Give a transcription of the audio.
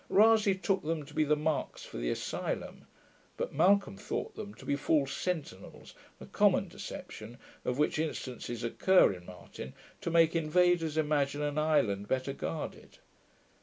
Rasay took them to be the marks for the asylum; but Malcolm thought them to be false sentinels, a common deception, of which instances occur in Martin, to make invaders imagine an island better guarded.